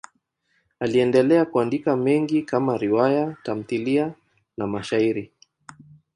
Aliendelea kuandika mengi kama riwaya, tamthiliya na mashairi.